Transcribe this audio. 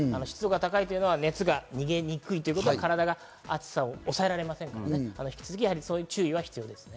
熱が逃げにくいということは体が暑さ抑えられませんから引き続き注意が必要です。